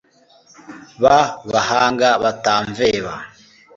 ba bahanga batamveba